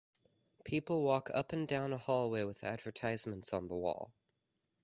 People walk up and down a hallway with advertisements on the wall.